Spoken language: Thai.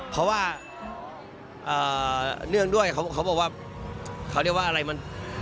เพราะว่าเนื่องด้วยเขาบอกว่าเขาเรียกว่าอะไรมัน